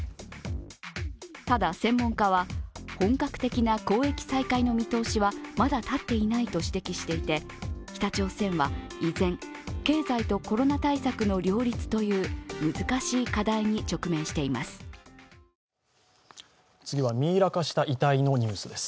ただ専門家は、本格的な交易再開の見通しはまだたっていないと指摘していて北朝鮮は依然、経済とコロナ対策の両立という難しい課題に直面しています。